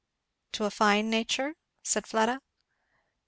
"To a fine nature?" said Fleda.